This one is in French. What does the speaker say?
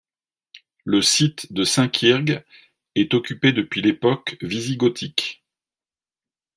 Le site de Saint-Quirgue est occupé depuis l'époque wisigothique.